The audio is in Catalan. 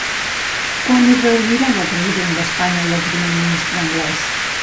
Quan es reuniran el president d'Espanya i el primer ministre anglès?